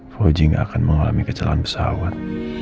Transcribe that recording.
fauzi gak akan mengalami kecelahan pesawat